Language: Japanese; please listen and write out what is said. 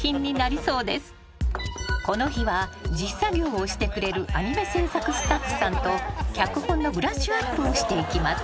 ［この日は実作業をしてくれるアニメ制作スタッフさんと脚本のブラッシュアップをしていきます］